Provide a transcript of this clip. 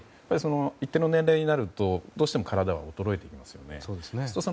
一定の年齢になるとどうしても体は衰えてきます。